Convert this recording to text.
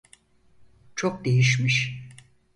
Çok değişmiş.